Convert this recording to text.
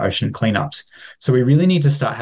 jadi kita benar benar perlu mulai memiliki beberapa peraturan